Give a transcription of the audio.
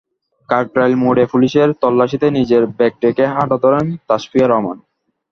কাকরাইল মোড়ে পুলিশের তল্লাশিতে নিজের ব্যাগ রেখে হাঁটা ধরেন তাশফিয়া রহমান।